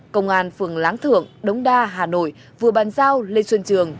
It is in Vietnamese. công an phường láng thượng đống đa hà nội vừa bàn giao lê xuân trường